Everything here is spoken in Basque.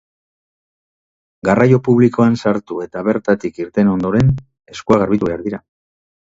Garraio publikoan sartu eta bertatik irten ondoren, eskuak garbitu behar dira.